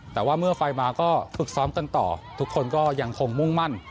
แต่ว่าเมื่อไฟมาก็ฝึกซ้อมกันต่อทุกคนก็ยังคงมุ่งมั่น